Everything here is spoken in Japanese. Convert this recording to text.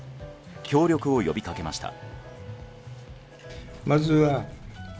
協力を呼びかけました。